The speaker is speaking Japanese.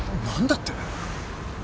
何だって？